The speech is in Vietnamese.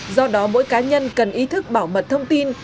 do đó mỗi cá nhân cần ý thức bảo mật thông tin